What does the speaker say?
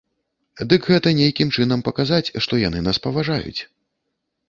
Дык гэта нейкім чынам паказаць, што яны нас паважаюць.